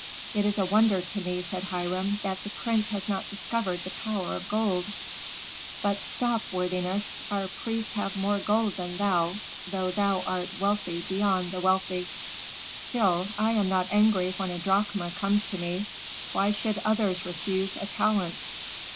"It is a wonder to me," said Hiram, "that the prince has not discovered the power of gold." "But stop, worthiness, our priests have more gold than thou, though thou art wealthy beyond the wealthy!" "Still I am not angry when a drachma comes to me. Why should others refuse a talent?"